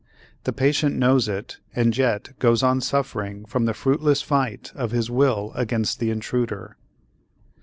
The patient knows it and yet goes on suffering from the fruitless fight of his will against the intruder.